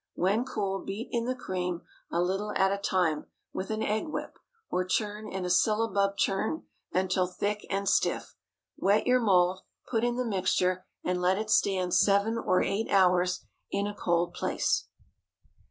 When cool, beat in the cream, a little at a time, with an egg whip, or churn in a syllabub churn until thick and stiff. Wet your mould, put in the mixture, and let it stand seven or eight hours in a cold place.